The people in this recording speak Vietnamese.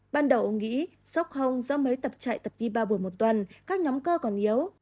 ban đầu ông nghĩ sốc hông do mấy tập chạy tập chi ba buổi một tuần các nhóm cơ còn yếu